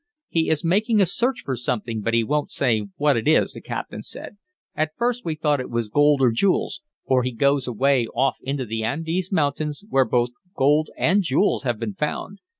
"He is making a search for something, but he won't say what it is," the captain said. "At first we thought it was gold or jewels, for he goes away off into the Andes Mountains, where both gold and jewels have been found.